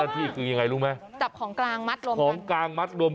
แบบนี้คือแบบนี้คือแบบนี้คือแบบนี้คือแบบนี้คือ